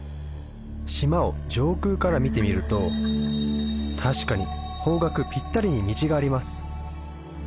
島を上空から見てみると確かに方角ピッタリに道があります